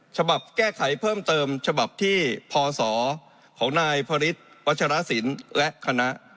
ฉบับแก้ไขเพิ่มเติมฉบับที่พศของนายพระฤทธิ์วัชรสินและคณะ